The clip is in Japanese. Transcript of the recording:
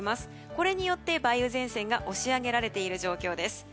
これによって梅雨前線が押し上げられている状況です。